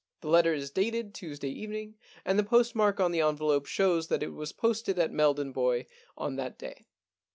The letter is dated Tuesday evening, and the post mark on the envelope shows that it was posted at Meldon Bois on that day.